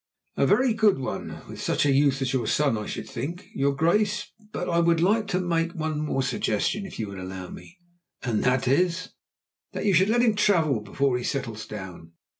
"A very good one, with such a youth as your son, I should think, your Grace; but I would like to make one more suggestion, if you would allow me?" "And that is?" "That you should let him travel before he settles down.